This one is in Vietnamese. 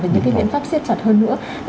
và những cái viện pháp siết chặt hơn nữa